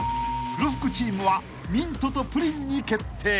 ［黒服チームはミントとプリンに決定］